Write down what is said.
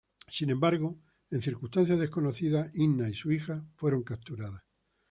Sin embargo, en circunstancias desconocidas, Inna y su hija fueron capturadas.